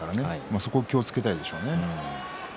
そこを気をつけたいですね。